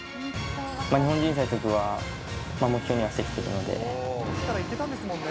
日本人最速は目標にはしてきているので。